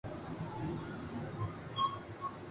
یہ 'تحریک‘ نئے نئے مو ضوعات کا مطالبہ کر تی ہے۔